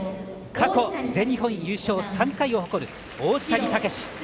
過去全日本優勝３回を誇る王子谷剛志。